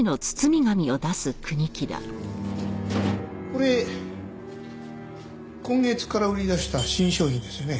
これ今月から売り出した新商品ですよね？